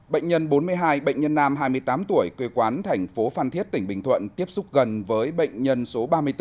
bệnh nhân bốn mươi hai bệnh nhân nam hai mươi tám tuổi quê quán thành phố phan thiết tỉnh bình thuận tiếp xúc gần với bệnh nhân số ba mươi bốn